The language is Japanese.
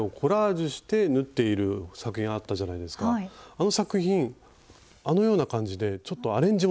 あの作品あのような感じでちょっとアレンジもできるんですよね。